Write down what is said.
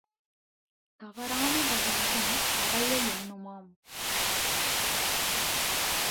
தவறான வழியிலும் அடைய எண்ணுமாம்.